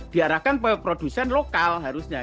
diarahkan produsen lokal harusnya